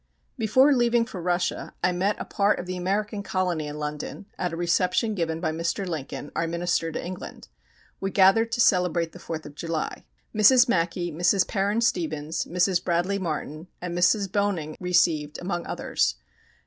Before leaving for Russia I met a part of the American colony in London at a reception given by Mr. Lincoln, our Minister to England. We gathered to celebrate the Fourth of July. Mrs. Mackey, Mrs. Paran Stevens, Mrs. Bradley Martin, and Mrs. Bonynge received among others.